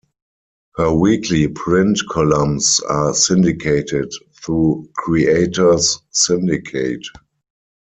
Her weekly print columns are syndicated through Creators Syndicate.